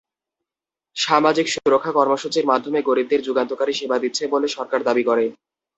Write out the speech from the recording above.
সামাজিক সুরক্ষা কর্মসূচির মাধ্যমে গরিবদের যুগান্তকারী সেবা দিচ্ছে বলে সরকার দাবি করে।